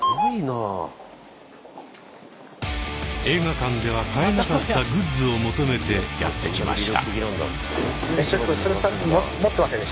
映画館では買えなかったグッズを求めてやって来ました。